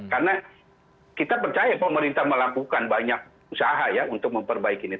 karena kita percaya pemerintah melakukan banyak usaha ya untuk memperbaiki ini